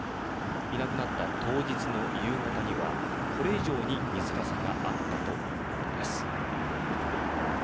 いなくなった当日の夕方にはこれ以上に水かさがあったということです。